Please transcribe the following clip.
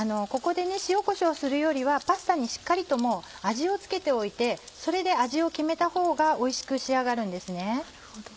ここで塩こしょうするよりはパスタにしっかりともう味を付けておいてそれで味を決めたほうがおいしく仕上がるんですね。